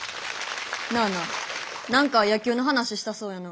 なあなあ何か野球の話したそうやな。